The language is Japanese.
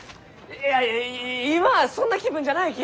いや今はそんな気分じゃないき！